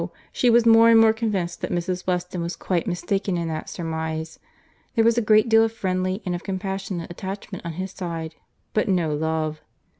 —she was more and more convinced that Mrs. Weston was quite mistaken in that surmise. There was a great deal of friendly and of compassionate attachment on his side—but no love.